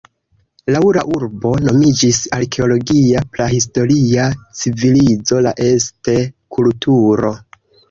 Laŭ la urbo nomiĝis arkeologia prahistoria civilizo, la "Este-kulturo".